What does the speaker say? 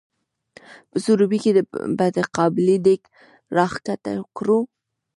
په سروبي کې به د قابلي دیګ را ښکته کړو؟